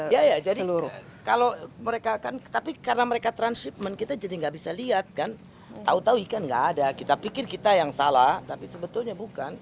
ya ya jadi luruh kalau mereka kan tapi karena mereka transhipment kita jadi nggak bisa lihat kan tahu tahu ikan nggak ada kita pikir kita yang salah tapi sebetulnya bukan